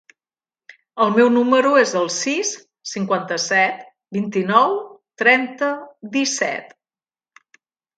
El meu número es el sis, cinquanta-set, vint-i-nou, trenta, disset.